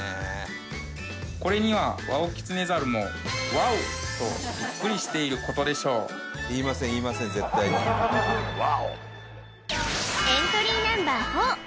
これにはワオキツネザルもワオ！とびっくりしていることでしょう言いません言いません絶対にワオ！